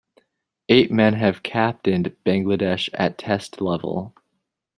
Eight men have captained Bangladesh at Test level.